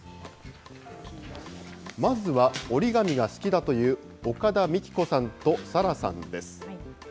まずは、折り紙が好きだという岡田幹子さんと紗羅さんです。